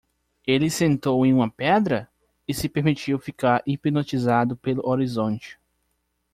Ele sentou em uma pedra? e se permitiu ficar hipnotizado pelo horizonte.